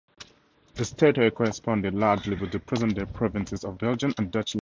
Its territory corresponded largely with the present-day provinces of Belgian and Dutch Limburg.